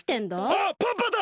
あっパパだ！